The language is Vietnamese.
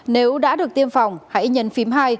nếu đã được tiêm phòng hãy nhấn phím hai